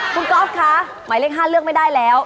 คุณก๊อฟคะหมายเลข๕เลือกไม่ได้แล้ว